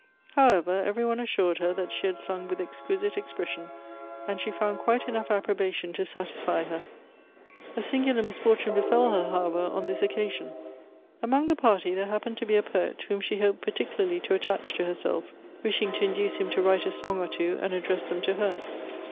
However, every one assured her that she had sung with exquisite expression, and she found quite enough approbation to satisfy her. A singular misfortune befell her, however, on this occasion. Among the party there hap[)encd to be a poet, whom she hoped particularly to attach to herself, wishing to induce him to write a song or two, and address them to her.